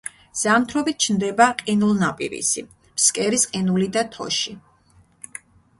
ზამთრობით ჩნდება ყინულნაპირისი, ფსკერის ყინული და თოში.